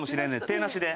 手なしで。